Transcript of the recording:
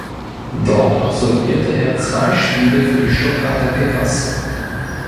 Dort absolvierte er zwei Spiele für die Stuttgarter Kickers.